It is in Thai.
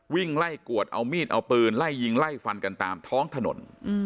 วิ่งไล่กวดเอามีดเอาปืนไล่ยิงไล่ฟันกันตามท้องถนน